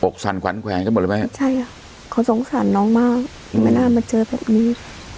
สั่นขวัญแขวนกันหมดเลยไหมใช่ค่ะเขาสงสารน้องมากไม่น่ามาเจอแบบนี้